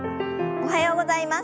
おはようございます。